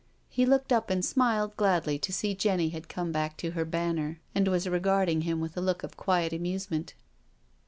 He looked up and smiled gladly to see Jenny had come back to her banner, and was regarding him with a look of quiet amusement.